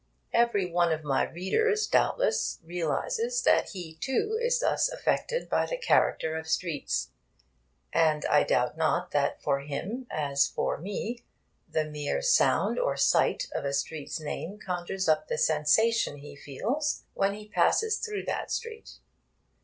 Every one of my readers, doubtless, realises that he, too, is thus affected by the character of streets. And I doubt not that for him, as for me, the mere sound or sight of a street's name conjures up the sensation he feels when he passes through that street.